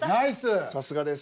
さすがです。